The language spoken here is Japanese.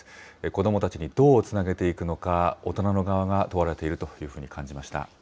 子どもたちにどうつなげていくのか、大人の側が問われているというふうに感じました。